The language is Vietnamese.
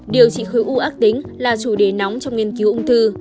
điều trị khối u ác tính là chủ đề nóng trong nghiên cứu ung thư